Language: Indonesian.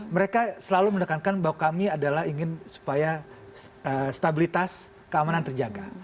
mereka selalu mendekankan bahwa kami adalah ingin supaya stabilitas keamanan terjaga